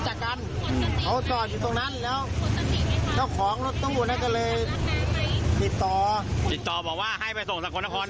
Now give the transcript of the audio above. จ่ายคนละ๙๐๐แล้วจากการไม่ดีคนขับรถตู้นี่คนขับรถตู้คันนี้